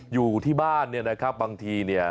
อยู่ที่บ้านเนี่ยนะครับบางทีเนี่ย